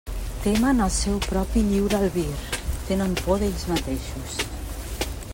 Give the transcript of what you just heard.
Temen el seu propi lliure albir; tenen por d'ells mateixos.